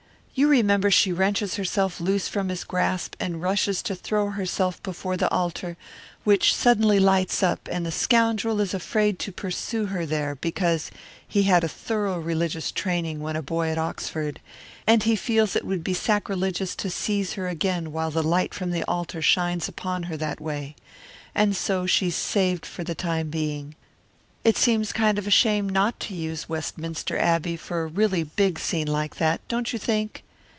You remember she wrenches herself loose from his grasp and rushes to throw herself before the altar, which suddenly lights up, and the scoundrel is afraid to pursue her there, because he had a thorough religious training when a boy at Oxford, and he feels it would be sacrilegious to seize her again while the light from the altar shines upon her that way, and so she's saved for the time being. It seems kind of a shame not to use Westminster Abbey for a really big scene like that, don't you think?"